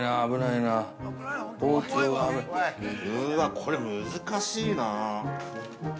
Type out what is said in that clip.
◆これ、難しいなぁ。